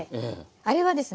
あれはですね